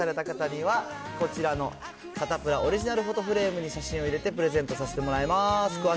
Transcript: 採用された方には、こちらのサタプラオリジナルフォトフレームに写真を入れて、プレゼントさせてもらいます。